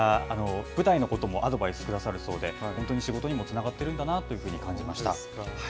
舞台のこともアドバイスくださるそうで、本当に仕事にもつながってるんだなというふうに感じましそうですか。